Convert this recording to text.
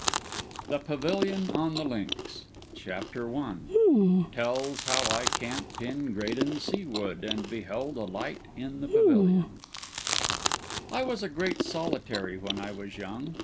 THE PAVILION ON THE LINKS CHAPTER I TELLS HOW I CAMPED IN GRADEN SEA WOOD, AND BEHELD A LIGHT IN THE PAVILION I was a great solitary when I was young.